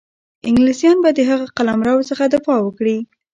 انګلیسیان به د هغه قلمرو څخه دفاع وکړي.